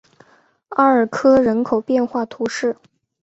阿尔科人口变化图示